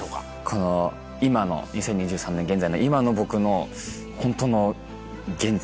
この今の２０２３年現在の今の僕のホントの原点ですね。